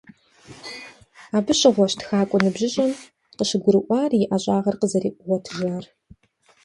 Абы щыгъуэщ тхакӀуэ ныбжьыщӀэм къыщыгурыӀуар и ӀэщӀагъэр къызэригъуэтыжар.